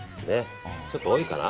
ちょっと多いかな。